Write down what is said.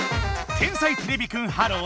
「天才てれびくんｈｅｌｌｏ，」